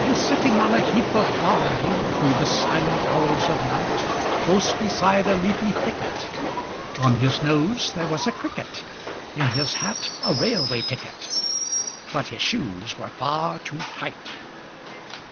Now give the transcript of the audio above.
Sitting on a heap of Barley Thro' the silent hours of night, Close beside a leafy thicket: On his nose there was a Cricket, In his hat a Railway ticket (But his shoes were far too tight).